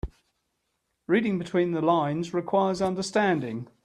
Reading between the lines requires understanding.